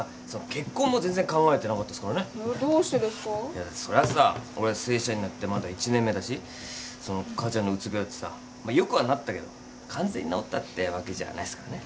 いやそりゃさ俺は正社員になってまだ１年目だしその母ちゃんのうつ病だってさまあ良くはなったけど完全に治ったってわけじゃないっすからね。